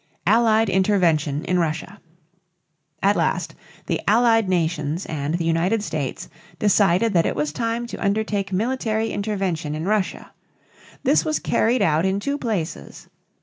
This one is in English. ALLIED INTERVENTION IN RUSSIA. At last the Allied nations and the United States decided that it was time to undertake military intervention in Russia. This was carried out in two places.